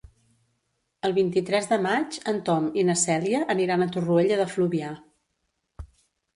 El vint-i-tres de maig en Tom i na Cèlia aniran a Torroella de Fluvià.